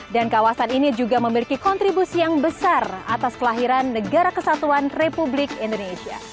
dan kawasan ini juga memiliki kontribusi yang besar atas kelahiran negara kesatuan republik indonesia